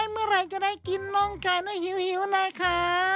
เมื่อไหร่จะได้กินน้องไก่หน้าหิวเลยค่ะ